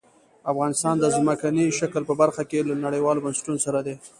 افغانستان د ځمکني شکل په برخه کې له نړیوالو بنسټونو سره دی.